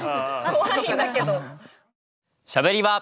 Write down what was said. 怖いんだけど。